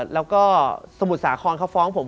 แล้วก็สมุทรสาครเขาฟ้องผม